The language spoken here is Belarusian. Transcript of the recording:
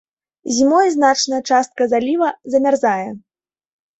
Зімой значная частка заліва замярзае.